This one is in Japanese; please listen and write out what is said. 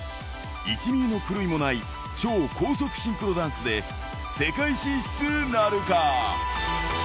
１ミリの狂いもない超高速シンクロダンスで、世界進出なるか。